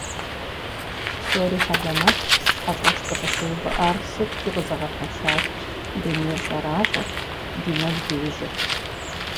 Псори хьэлэмэтт, хьэщӀэщ дыкъыщыувыӀар сыткӀи къызэгъэпэщат, дунейр щӀэращӀэрт, ди нэгу зиужьырт…